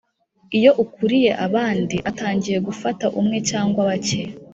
iyo ukuriye abandi atangiye gufata umwe cyangwa bake